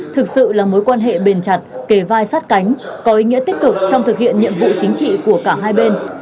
thực sự là mối quan hệ bền chặt kề vai sát cánh có ý nghĩa tích cực trong thực hiện nhiệm vụ chính trị của cả hai bên